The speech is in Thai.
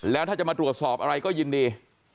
แล้วถ้าจะมาตรวจสอบอะไรก็ยินดี